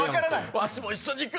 わしも一緒に行く。